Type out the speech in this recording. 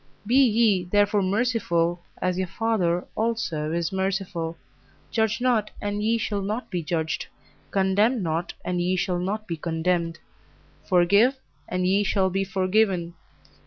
Be ye therefore merciful, as your Father also is merciful. Judge not, and ye shall not be judged: condemn not, and ye shall not be condemned: forgive, and ye shall be forgiven.